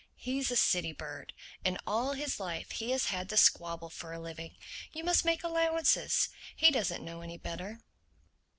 He's a city bird; and all his life he has had to squabble for a living. You must make allowances. He doesn't know any better."